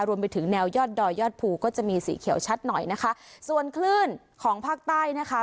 รวมไปถึงแนวยอดดอยยอดภูก็จะมีสีเขียวชัดหน่อยนะคะส่วนคลื่นของภาคใต้นะคะ